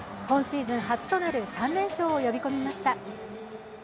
今シーズン初となる３連勝を呼び込みました。